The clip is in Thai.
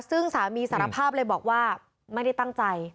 ซึ่งสามีสารภาพเลยบอกว่าไม่ได้ตั้งใจ